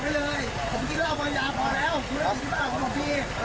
ใช่พี่มันคอยจับผม